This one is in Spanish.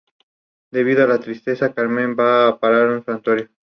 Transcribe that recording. El participante que más cintas consigue es el ganador.